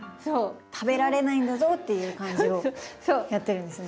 「食べられないんだぞ」っていう感じをやってるんですね。